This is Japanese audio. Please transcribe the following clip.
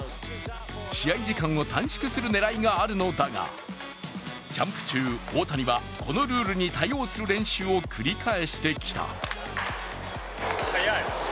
試合時間を短縮する狙いがあるのだが、キャンプ中、大谷はこのルールに対応する練習を繰り返してきた。